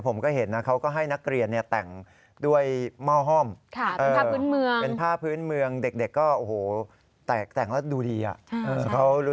ผมก็เห็นนะเขาก็ให้นักเรียนเนี่ยแต่งด้วยหม้อห้อม